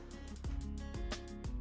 namanya cukup unik